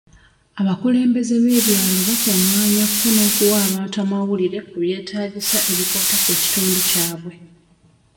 Abakulembeze b'ebyalo bakungaanya kko n'okuwa abantu amawulire ku byeetaagisa ebikwata ku kitundu kyabwe.